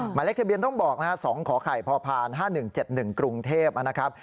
หมายเลขทะเบียนต้องบอกนะครับ๒ขอไข่พพ๕๑๗๑กรุงเทพนะครับ